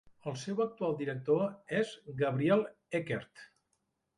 El seu actual director és Gabriel Eckert.